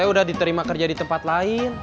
saya udah diterima kerja di tempat lain